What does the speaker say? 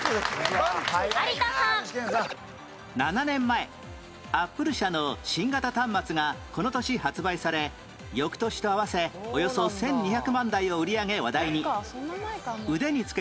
７年前アップル社の新型端末がこの年発売され翌年と合わせおよそ１２００万台を売り上げ話題に